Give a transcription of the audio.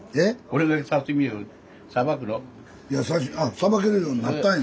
さばけるようになったんや。